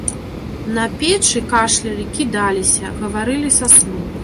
На печы кашлялі, кідаліся, гаварылі са сну.